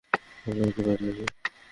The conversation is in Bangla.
বাবা, একটু বাইরে আসবে?